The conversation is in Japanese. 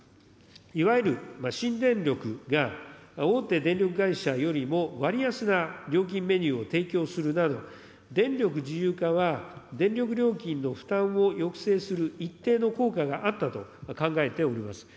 いわゆる新電力が大手電力会社よりも割安な料金メニューを提供するなど、電力自由化は電力料金の負担を抑制する一定の効果があったと考えております。